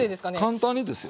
簡単にですよ。